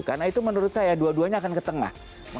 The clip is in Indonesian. karena itu menurut saya dua duanya akan ke tengah